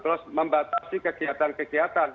terus membatasi kegiatan kegiatan